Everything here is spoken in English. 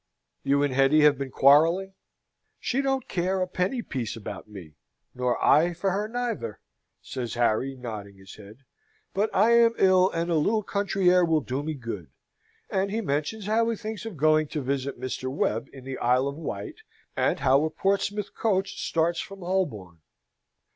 "You and Hetty have been quarrelling?" "She don't care a penny piece about me, nor I for her neither," says Harry, nodding his head. "But I am ill, and a little country air will do me good," and he mentions how he thinks of going to visit Mr. Webb in the Isle of Wight, and how a Portsmouth coach starts from Holborn.